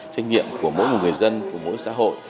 trách nhiệm của mỗi một người dân của mỗi xã hội